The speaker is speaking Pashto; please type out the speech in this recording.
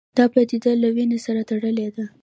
دا پدیده له وینې سره تړلې ده